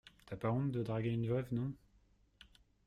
T’as pas honte de draguer une veuve, non ?